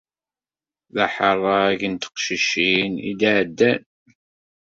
D aḥerrag n teqcicin i d-iɛeddan.